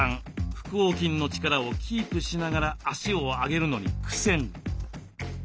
腹横筋の力をキープしながら足を上げるのに苦戦。